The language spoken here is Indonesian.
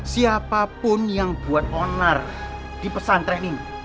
siapapun yang buat onar di pesantren ini